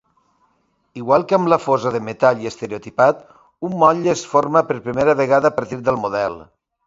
Igual que amb la fosa de metall i estereotipat, un motlle es forma per primera vegada a partir del model.